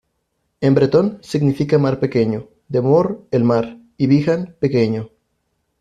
En bretón significa «mar pequeño», de Mor, el mar, y bihan, pequeño.